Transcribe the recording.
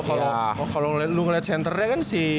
kalau ngeliat centernya kan si